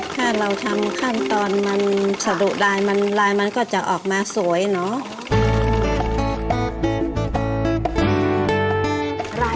ถ้าเราทำขั้นตอนมันสะดุดายมันลายมันก็จะออกมาสวยเนาะ